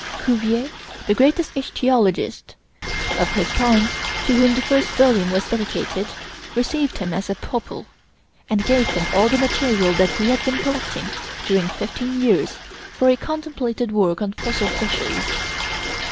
Cuvier, the greatest ichthyologist of his time, to whom the first volume was dedicated, received him as a pupil, and gave to him all the material that he had been collecting during fifteen years for a contemplated work on Fossil Fishes.